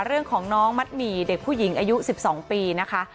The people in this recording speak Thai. เรื่องของน้องมัดหมี่เด็กผู้หญิงอายุ๑๒ปีนะคะ